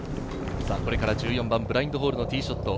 これから１４番、ブラインドホールのティーショット。